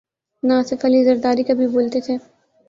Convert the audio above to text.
نہ آصف علی زرداری کبھی بولتے تھے۔